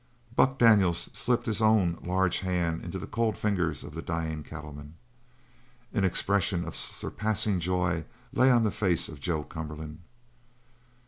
Buck Daniels slipped his own large hand into the cold fingers of the dying cattleman. An expression of surpassing joy lay on the face of Joe Cumberland.